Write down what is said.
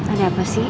ada apa sih